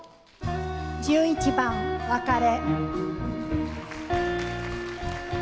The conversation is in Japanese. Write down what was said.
１１番「別離」。